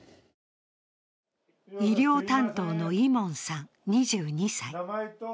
医療担当のイモンさん、２２歳。